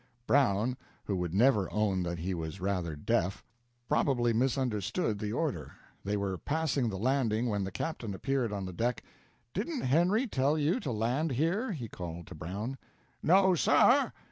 Brown, who would never own that he was rather deaf, probably misunderstood the order. They were passing the landing when the captain appeared on the deck. "Didn't Henry tell you to land here?" he called to Brown. "No, sir."